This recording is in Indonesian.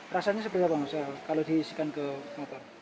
rasanya seperti apa mas kalau diisikan ke motor